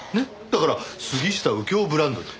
だから杉下右京ブランドで。